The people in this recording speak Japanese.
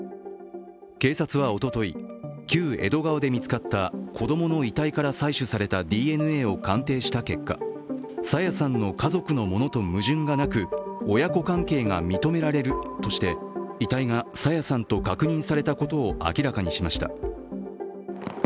警察はおととい、旧江戸川で見つかった子供の遺体から採取されたＤＮＡを鑑定した結果、朝芽さんの家族のものと矛盾がなく親子関係が認められるとして遺体が朝芽さんと確認されたことを明らかにしました。